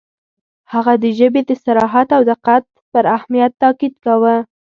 • هغه د ژبې د صراحت او دقت پر اهمیت تأکید کاوه.